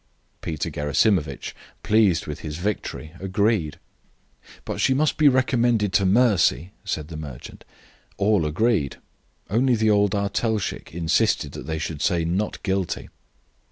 Peter Gerasimovitch, pleased with his victory, agreed. "But she must be recommended to mercy," said the merchant. All agreed; only the old artelshik insisted that they should say "Not guilty."